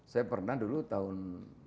saya pernah dulu tahun